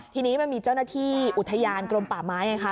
ทีนี้มันมีเจ้าหน้าที่อุทยานกรมป่าไม้ไงคะ